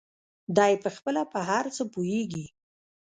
دى پخپله په هر څه پوهېږي.